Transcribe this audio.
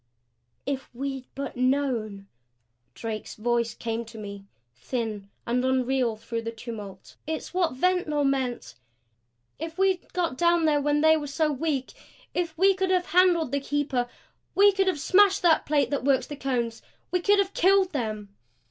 "If we'd but known!" Drake's voice came to me, thin and unreal through the tumult. "It's what Ventnor meant! If we had got down there when they were so weak if we could have handled the Keeper we could have smashed that plate that works the Cones! We could have killed them!"